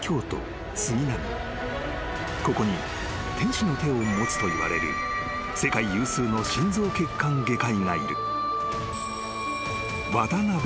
［ここに天使の手を持つといわれる世界有数の心臓血管外科医がいる］